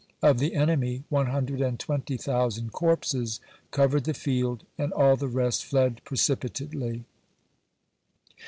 Of the enemy one hundred and twenty thousand corpses covered the field, and all the rest fled precipitately.